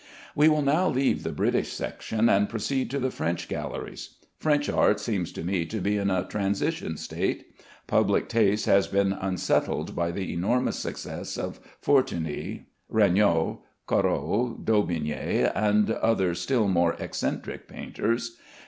We will now leave the British section, and proceed to the French galleries. French art seems to me to be in a transition state. Public taste has been unsettled by the enormous success of Fortuny, Regnault, Corot, Daubigny, and other still more eccentric painters.